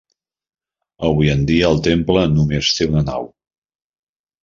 Avui en dia el temple només té una nau.